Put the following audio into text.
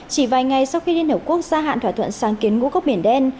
chỉ vài ngày sau khi liên hợp quốc gia hạn thỏa thuận sáng kiến ngũ cốc biển đen